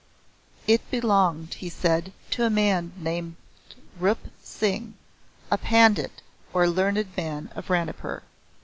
It belonged, he said, to a man named Rup Singh, a pandit, or learned man of Ranipur.